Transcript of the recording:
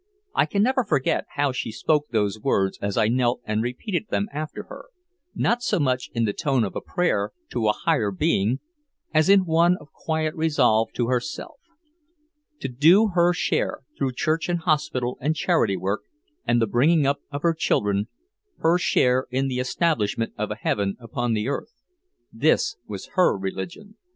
I can never forget how she spoke those words as I knelt and repeated them after her not so much in the tone of a prayer to a higher being as in one of quiet resolve to herself. To do her share, through church and hospital and charity work and the bringing up of her children, her share in the establishment of a heaven upon the earth, this was her religion.